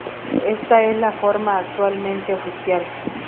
Esta es la forma actualmente oficial.